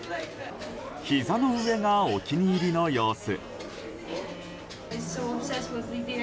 ひざの上がお気に入りの様子。